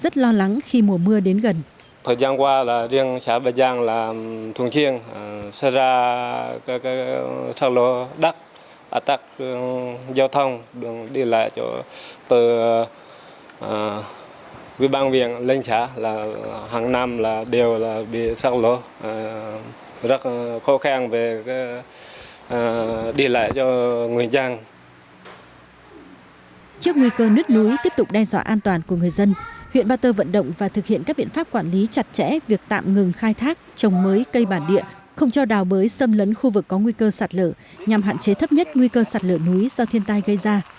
trước nguy cơ nứt núi tiếp tục đe dọa an toàn của người dân huyện ba tơ vận động và thực hiện các biện pháp quản lý chặt chẽ việc tạm ngừng khai thác trồng mới cây bản địa không cho đào bới xâm lấn khu vực có nguy cơ sạt lở nhằm hạn chế thấp nhất nguy cơ sạt lở núi do thiên tai gây ra